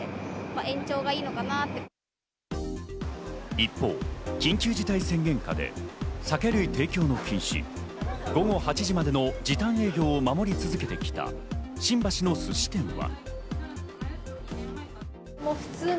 一方、緊急事態宣言下で酒類提供の禁止、午後８時までの時短営業を守り続けてきた新橋のすし店は。